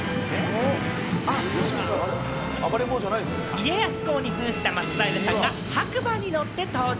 家康公に扮した松平さんが、白馬に乗って登場。